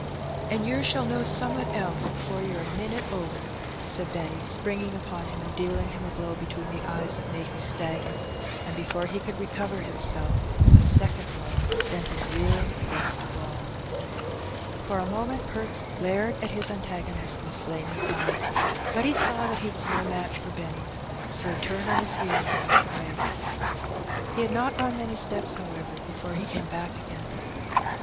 "An' yer shall know some'at else afore yer a minit older," said Benny, springing upon him, and dealing him a blow between the eyes that made him stagger; and, before he could recover himself, a second blow sent him reeling against a wall For a moment Perks glared at his antagonist with flaming In the Woods. 99 eyes, but he saw that he was no match for Benny, so he turned on his heel and walked away. He had not gone many steps, however, before he came back again.